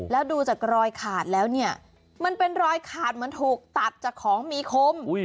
แล้วดูจากรอยขาดแล้วเนี่ยมันเป็นรอยขาดเหมือนถูกตัดจากของมีคม